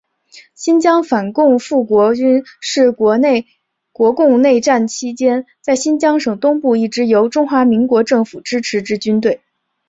新疆反共复国军是国共内战期间在新疆省东部一支由中华民国政府支持之军队。